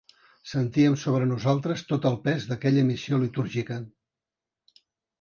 Sentíem sobre nosaltres tot el pes d'aquella missió litúrgica.